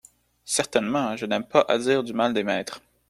Certainement, je n’aime pas à dire du mal des maîtres…